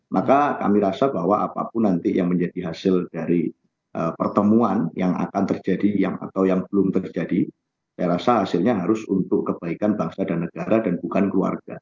maka kami rasa bahwa apapun nanti yang menjadi hasil dari pertemuan yang akan terjadi atau yang belum terjadi saya rasa hasilnya harus untuk kebaikan bangsa dan negara dan bukan keluarga